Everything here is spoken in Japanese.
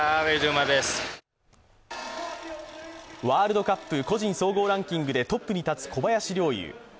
ワールドカップ個人総合ランキングでトップに立つ小林陵侑。